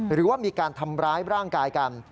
หรือว่ามีการทำร้ายร่างกายกัน